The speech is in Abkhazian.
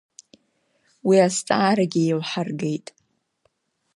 Уи азҵаарагьы еилҳаргеит.